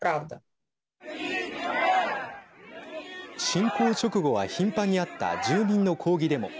侵攻直後は頻繁にあった住民の抗議デモ。